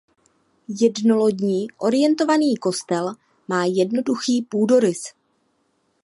Jednolodní orientovaný kostel má jednoduchý půdorys.